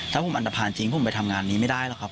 ถ้าผมอันตภัณฑ์จริงผมไปทำงานนี้ไม่ได้หรอกครับ